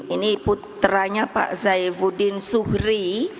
ini puteranya pak saifuddin suhri